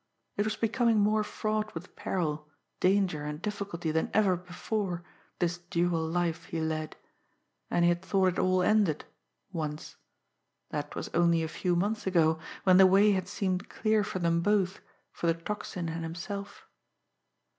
It was becoming more fraught with peril, danger and difficulty than ever before, this dual life he led. And he had thought it all ended once. That was only a few months ago, when the way had seemed clear for them both, for the Tocsin and himself.